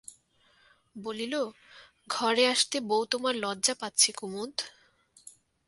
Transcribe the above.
বলিল, ঘরে আসতে বৌ তোমার লজ্জা পাচ্ছে কুমুদ।